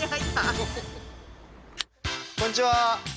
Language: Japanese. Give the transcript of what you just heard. こんにちは。